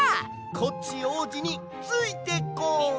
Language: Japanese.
コッチおうじについてこい！